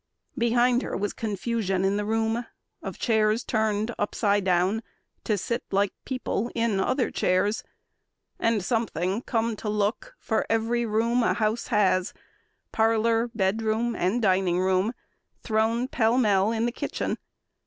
Behind her was confusion in the room, Of chairs turned upside down to sit like people In other chairs, and something, come to look, For every room a house has parlor, bed room, And dining room thrown pell mell in the kitchen.